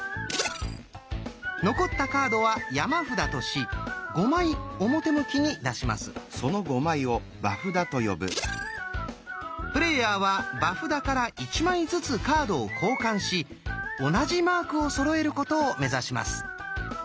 残ったカードは山札としプレーヤーは場札から１枚ずつカードを交換し同じマークをそろえることを目指します。